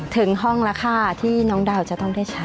ถึงห้องราคาที่น้องดาวจะต้องได้ใช้